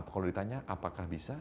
kalau ditanya apakah bisa